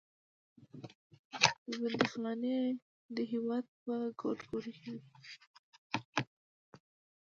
دا بندیخانې د هېواد په ګوټ ګوټ کې وې.